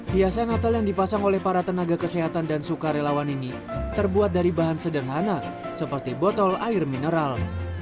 hiasan natal yang dipasang oleh para tenaga kesehatan dan sukarelawan ini terbuat dari bahan sederhana seperti botol air mineral